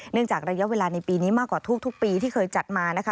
จากระยะเวลาในปีนี้มากกว่าทุกปีที่เคยจัดมานะคะ